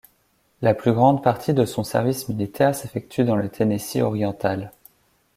La plus grande partie de son service militaire s'effectue dans le Tennessee oriental.